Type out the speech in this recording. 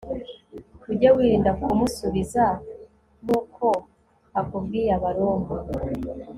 ujye wirinda kumusubiza nk uko akubwiye abaroma